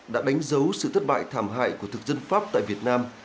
đã đánh dấu sự thất bại thảm hại của thực dân pháp tại việt nam